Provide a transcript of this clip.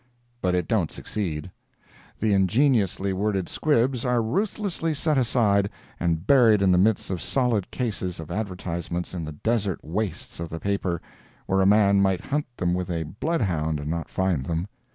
But it don't succeed. The ingeniously worded squibs are ruthlessly set aside and buried in the midst of solid cases of advertisements in the desert wastes of the paper, where a man might hunt them with a blood hound and not find them.